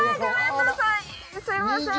すいません。